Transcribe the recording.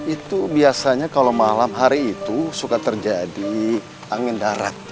itu biasanya kalau malam hari itu suka terjadi angin darat